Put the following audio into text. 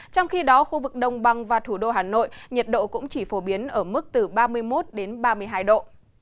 trong khi đó khu vực đông băng và thủ đô hà nội nhiệt độ cũng chỉ phổ biến ở mức từ ba mươi một đến ba mươi hai độ